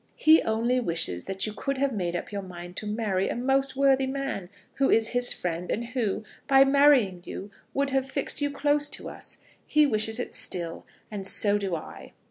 "He only wishes that you could have made up your mind to marry a most worthy man, who is his friend, and who, by marrying you, would have fixed you close to us. He wishes it still, and so do I."